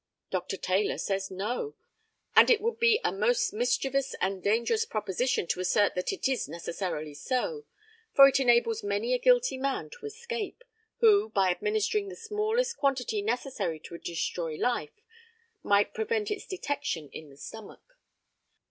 Dr. Taylor says no; and it would be a most mischievous and dangerous proposition to assert that it is necessarily so, for it enables many a guilty man to escape, who, by administering the smallest quantity necessary to destroy life, might prevent its detection in the stomach.